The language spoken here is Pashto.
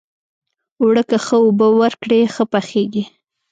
اوړه که ښه اوبه ورکړې، ښه پخیږي